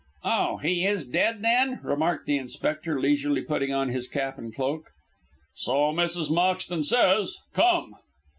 "Oh, he is dead, then?" remarked the inspector, leisurely putting on his cap and cloak. "So Mrs. Moxton says. Come!"